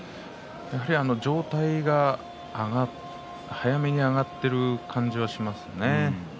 やはり上体が早めに上がっている感じがしますね。